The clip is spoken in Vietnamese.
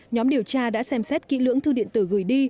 nhóm điều tra đã xem xét kỹ lưỡng thư điện tử gửi đi